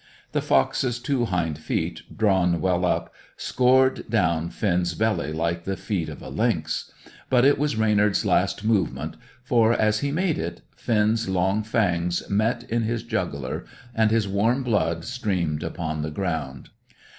The fox's two hind feet, drawn well up, scored down Finn's belly like the feet of a lynx; but it was Reynard's last movement, for, as he made it, Finn's long fangs met in his jugular, and his warm blood streamed upon the ground.